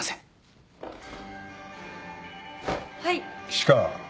岸川。